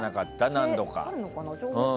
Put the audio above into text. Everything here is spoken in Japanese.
何度か。